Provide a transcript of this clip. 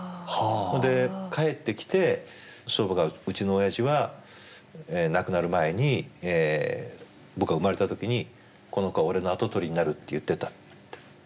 それで帰ってきて祖母がうちのおやじは亡くなる前に僕が生まれた時にこの子は俺の跡取りになるって言ってたって。